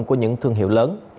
của những thương hiệu lớn